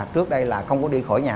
trước đây là không có đi khỏi nhà